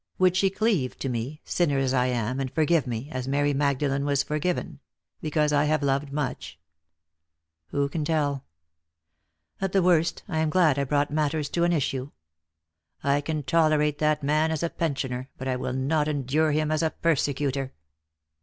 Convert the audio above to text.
Would she cleave to me, sinner as I am, and forgive me, as Mary Magdalen was forgiven — because I have loved much P Who can tell ? At the worst I am glad I brought matters to an issue. I can tolerate that man as a pen sioner, but I will not endure him as a persecutor."